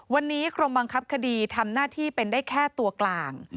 วันนี้กรมบังคับคดีทำหน้าที่เป็นได้แค่ตัวกลาง